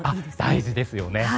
大事ですね。